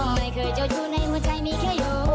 ไม่เคยเจ้าชู้ในมือชายมีเข้าอยู่